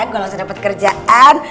gue langsung dapat kerjaan